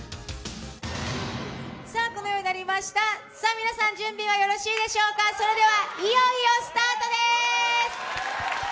皆さん、準備はよろしいでしょうか、いよいよスタートです。